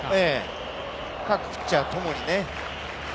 各ピッチャーともにね。